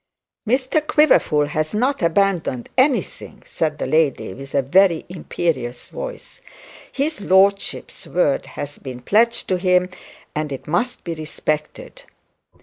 'Mr Quiverful has not abandoned anything,' said the lady, with a very imperious voice. 'His lordship's word has been pledged to him, and it must be respected.'